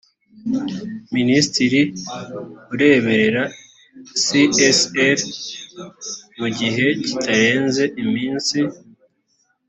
minisitiri ureberera csr mu gihe kitarenze iminsi